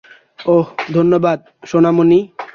ওহ, ধন্যবাদ, সোনামণি।